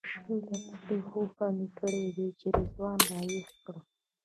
شل دقیقې خوب به مې کړی وي چې رضوان راویښ کړم.